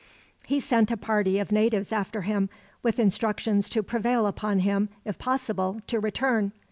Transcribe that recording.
He sent a party of natives after him, with instructions to prevail upon him, if possible, to return.